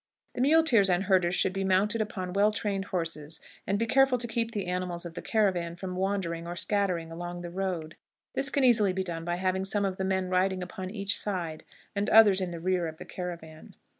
The muleteers and herders should be mounted upon well trained horses, and be careful to keep the animals of the caravan from wandering or scattering along the road. This can easily be done by having some of the men riding upon each side, and others in rear of the caravan.